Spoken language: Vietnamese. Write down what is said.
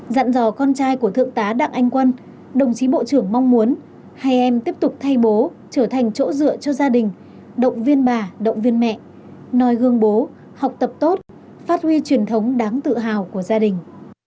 dặn dò con trai của thượng tá đặng anh quân đồng chí bộ trưởng mong muốn hai em tiếp tục thay bố trở thành chỗ dựa cho gia đình động viên bà động viên mẹ noi gương bố học tập tốt phát huy truyền thống đáng tự hào của gia đình